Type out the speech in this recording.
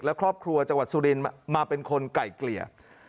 และครอบครัวจังหวัดสุรินทร์มาเป็นคนไก่เกลี่ย